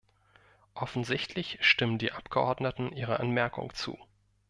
Offensichtlich stimmen die Abgeordneten Ihrer Anmerkung zu.